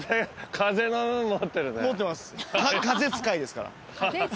風使いですから。